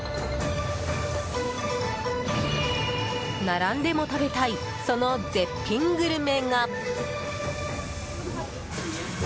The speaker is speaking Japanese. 並んでも食べたいその絶品グルメが。